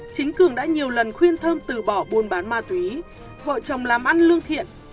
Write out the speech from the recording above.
chính cường đã nhiều lần khuyên thơm từ bỏ buôn bán ma túy vợ chồng làm ăn lương thiện